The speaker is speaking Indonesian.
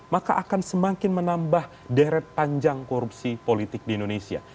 maka akan semakin menambah deret panjang korupsi politik di indonesia